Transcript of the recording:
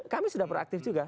kami sudah proaktif juga